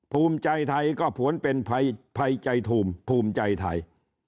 ภูมิใจไทยก็ผวนเป็นภัยใจภูมิภูมิใจไทย